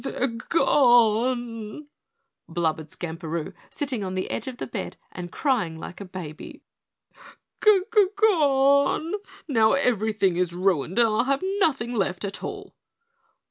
"They're g g gone!" blubbered Skamperoo, sitting on the edge of the bed and crying like a baby. "G g g gone! Now everything is ruined and I'll have nothing left at all!"